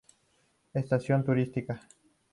Estación turística.